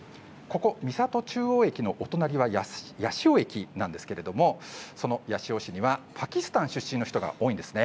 ここ三郷中央駅のお隣は八潮駅なんですが、その八潮市にはパキスタン出身の人が多いんです。